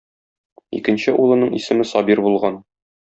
Икенче улының исеме Сабир булган.